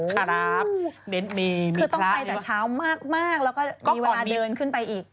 คือต้องไปแต่เช้ามากแล้วก็พาเดินขึ้นไปอีก